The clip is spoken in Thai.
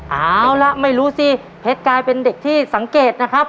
เอาละไม่รู้สิเพชรกลายเป็นเด็กที่สังเกตนะครับ